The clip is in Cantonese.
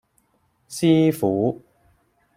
師傅